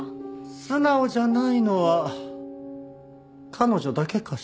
素直じゃないのは彼女だけかしら。